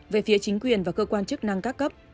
về phía chính quyền và cơ quan chức năng các cấp